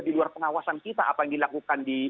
di luar pengawasan kita apa yang dilakukan di